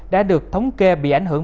đã được thống kê bị ảnh hưởng